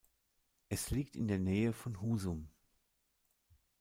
Es liegt in der Nähe von Husum.